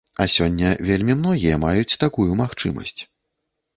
А сёння вельмі многія маюць такую магчымасць.